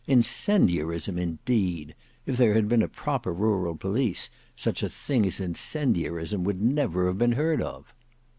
Incendiarism indeed! If there had been a proper rural police, such a thing as incendiarism would never have been heard of!"